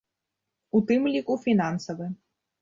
У тым ліку фінансавы.